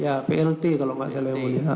ya plt kalau nggak salah yang mulia